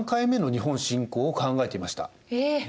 え。